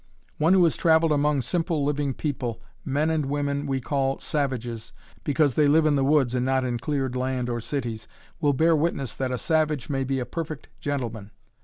One who has traveled among simple living people, men and women we call savages, because they live in the woods and not in cleared land or cities, will bear witness that a savage may be a perfect gentleman.